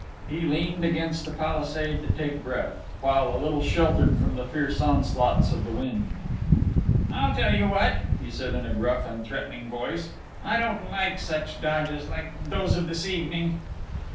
He leaned against a palisade to take breath, while a little sheltered from the fierce onslaughts of the wind. "I tell you what," he said in a gruff and threatening voice: "I don't like such dodges like those of this evening...."